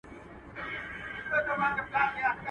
ږيره زما، اختيار د ملا.